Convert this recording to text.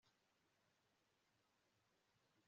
bashyizwe kurutonde rwabakinnyi bakomeye mubihe byose